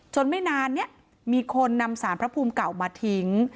ไม่นานเนี่ยมีคนนำสารพระภูมิเก่ามาทิ้ง